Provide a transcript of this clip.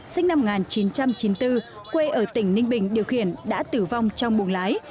sinh năm một nghìn chín trăm chín mươi bốn quê ở tỉnh ninh bình điều khiển đã tử vong trong buồng lái